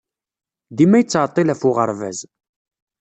Dima yettɛeḍḍil ɣef uɣerbaz.